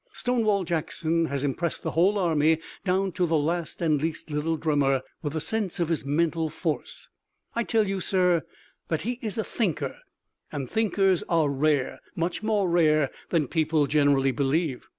Stonewall Jackson has impressed the whole army down to the last and least little drummer with a sense of his mental force. I tell you, sir, that he is a thinker, and thinkers are rare, much more rare than people generally believe.